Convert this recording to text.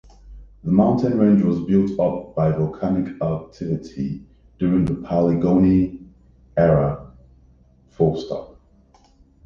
The mountain range was built up by volcanic activity during the Paleogene Era.